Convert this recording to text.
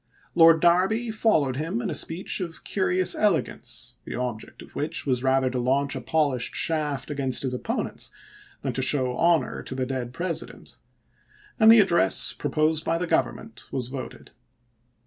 Lord Derby followed him in a speech of curious elegance, the object of which was rather to launch a polished shaft against his opponents than to show honor to the dead President; and the address proposed by the Government was voted.